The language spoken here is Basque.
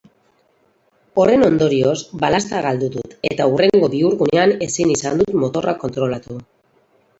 Horren ondorioz balazta galdu dut eta hurrengo bihurgunean ezin izan dut motorra kontrolatu.